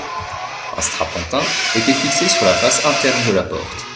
Un strapontin était fixé sur la face interne de la porte.